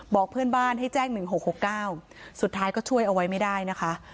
บอกเพื่อนบ้านให้แจ้งหนึ่งหกหกเก้าสุดท้ายก็ช่วยเอาไว้ไม่ได้นะคะ